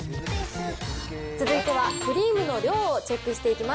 続いてはクリームの量をチェックしていきます。